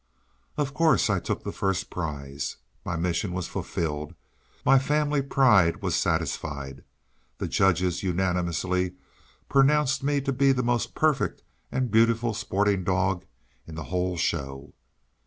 Of course, I took the first prize. My mission was fulfilled: my family pride was satisfied. The judges unanimously pronounced me to be the most perfect and beautiful sporting dog in the whole Show.